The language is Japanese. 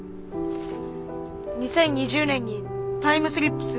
２０２０年にタイムスリップする。